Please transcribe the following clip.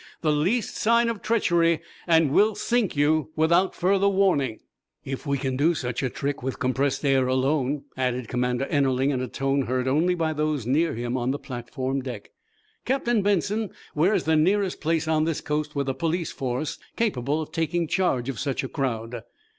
The least sign of treachery, and we'll sink you without further warning "" if we can do such a trick with compressed air alone," added Commander Ennerling in a tone heard only by those near him on the platform deck. "Captain Benson, what is the nearest place on this coast with a police force capable of taking charge of such a crowd."